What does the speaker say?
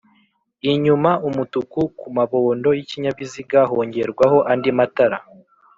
inyuma Umutuku kumabondo y’ikinyabiziga hongerwaho andi matara